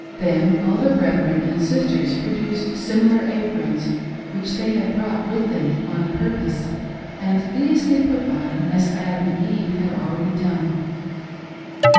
Then all the brethren and sisters produced similar aprons which they had brought with them on purpose, and these they put on, as Adam and Eve had already done.